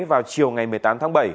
vào chiều ngày một mươi tám tháng bảy